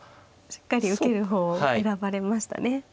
しっかり受ける方を選ばれましたね。